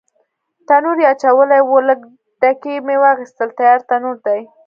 تنور یې اچولی و، لږ ډکي مې واخیستل، تیار تنور دی.